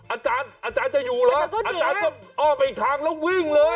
อาจารย์อาจารย์จะอยู่เหรออาจารย์ก็อ้อมไปอีกทางแล้ววิ่งเลย